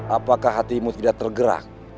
apakah hatimu tidak tergerak